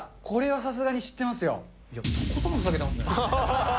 これはさすがに知ってますよ。